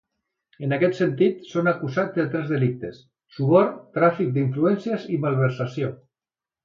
En aquest sentit, són acusats de tres delictes: suborn, tràfic d’influències i malversació.